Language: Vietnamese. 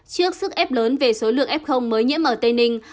trước sức ép lớn về số lượng f mới nhiễm ở tây ninh